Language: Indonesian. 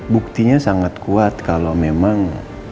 buktinya sangat kuat kalau memang